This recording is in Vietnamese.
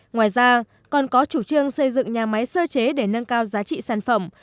ngoài ra còn có chủ trương xây dựng nhà máy sơ chế để nâng cao giá trị sản phẩm